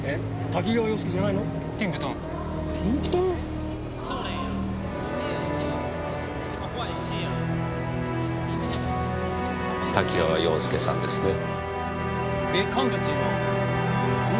多岐川洋介さんですね？